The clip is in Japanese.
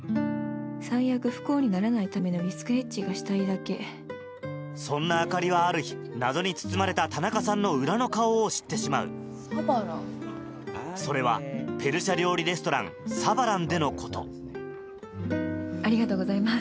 最悪不幸にならないためのリスクヘッジがしたいだけそんな朱里はある日謎に包まれた田中さんの裏の顔を知ってしまうそれはペルシャ料理レストラン「Ｓａｂａｌａｎ」でのことありがとうございます。